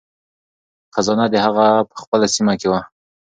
خزانه د هغه په خپله سیمه کې وه.